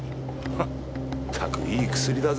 まったくいい薬だぜ。